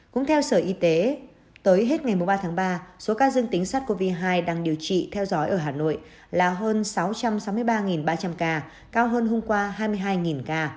cũng theo sở y tế tới hết ngày ba tháng ba số ca dương tính sars cov hai đang điều trị theo dõi ở hà nội là hơn sáu trăm sáu mươi ba ba trăm linh ca cao hơn hôm qua hai mươi hai ca